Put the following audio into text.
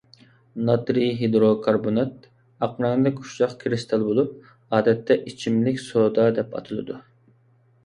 ناترىي ھىدروكاربونات ئاق رەڭلىك ئۇششاق كىرىستال بولۇپ، ئادەتتە «ئىچىملىك سودا» دەپ ئاتىلىدۇ.